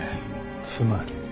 つまり？